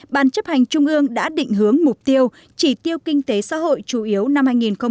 bản chấp hành trung ương đã định hướng mục tiêu chỉ tiêu kinh tế xã hội chủ yếu năm hai nghìn một mươi bảy